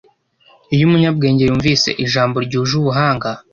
Iyo umunyabwenge yumvise ijambo ryuje ubuhanga,